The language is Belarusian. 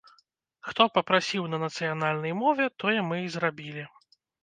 Хто папрасіў на нацыянальнай мове, тое мы і зрабілі.